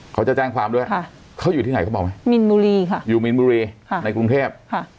เขาจะแจ้งความด้วยเขาอยู่ที่ไหนเขาบอกไหมมีนบุรีค่ะอยู่มีนบุรีในกรุงเทพ